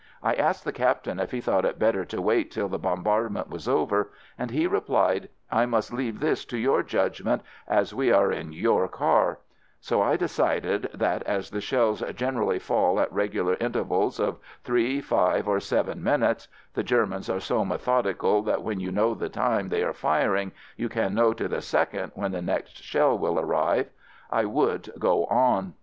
I asked the Captain if he thought it better to wait till the bombardment was over, and he replied, "I must leave this to your judg ment, as we are in your car"; so I de cided that as the shells generally fall at regular intervals of three, five, or seven minutes (the Germans are so methodical that when you know the time they are firing you can know to the second when the next shell will arrive), I would go on.